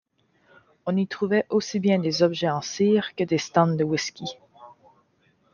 On y trouvait aussi bien des objets en cire que des stands de whisky.